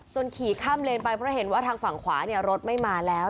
ขี่ข้ามเลนไปเพราะเห็นว่าทางฝั่งขวาเนี่ยรถไม่มาแล้ว